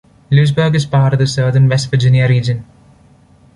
Lewisburg is part of the Southern West Virginia region.